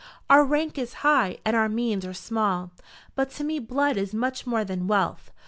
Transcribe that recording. Our rank is high, and our means are small. But to me blood is much more than wealth.